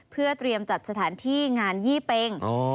เพื่อเตรียมจัดสถานที่งานยี่เป็ง